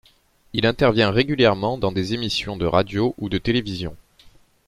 Il intervient régulièrement dans des émissions de radio ou de télévision.